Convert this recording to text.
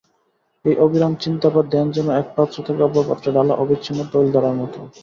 এই অবিরাম চিন্তা বা ধ্যান যেন একপাত্র থেকে অপর পাত্রে ঢালা অবিচ্ছিন্ন তৈলধারার মত।